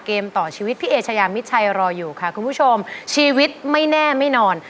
เกมต่อชีวิตพี่เอชายามิดชัยรออยู่ค่ะคุณผู้ชมชีวิตไม่แน่ไม่นอน